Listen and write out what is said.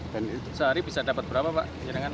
sehari bisa dapat berapa pak